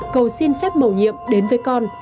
cô xin phép mầu nhiệm đến với con